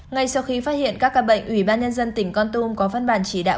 ngay sau khi phát hiện các ca bệnh ủy ban nhân dân tỉnh con tum có văn bản chỉ đạo